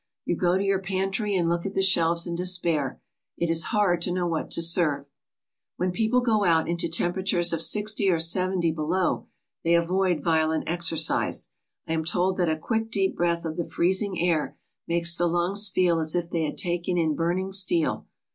You go to your pantry and look at the shelves in despair. It is hard to know what to serve/' When people go out into temperatures of sixty or seventy below they avoid violent exercise. I am told that a quick, deep breath of the freezing air makes the lungs feel as if they had taken in burning steel.